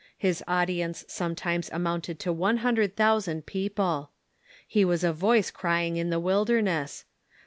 His audience some times amounted to one hundred thousand people. lie was a voice crying in the wilderness.